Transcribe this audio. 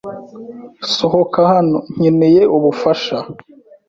Sohoka hano. Nkeneye ubufasha.